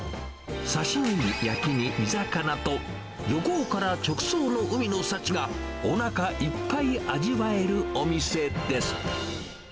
刺身に焼きに煮魚と、漁港から直送の海の幸が、おなかいっぱい味わえるお店です。